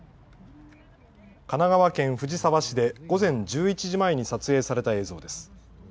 神奈川県藤沢市で午前１１時前に撮影された映像です。